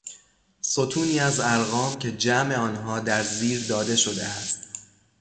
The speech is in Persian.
ستونی از ارقام که جمع آنها در زیر داده شده است